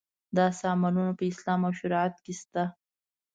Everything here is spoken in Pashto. داسې عملونه په اسلام او شریعت کې شته.